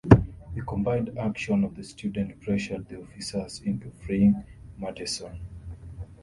The combined action of the students pressured the officers into freeing Matteson.